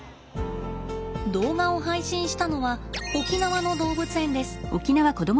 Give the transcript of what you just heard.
動画を配信したのは沖縄の動物園です。